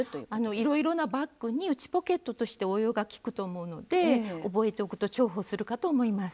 いろいろなバッグに内ポケットとして応用が利くと思うので覚えておくと重宝するかと思います。